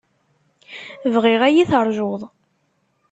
Bɣiɣ ad yi-terjuḍ.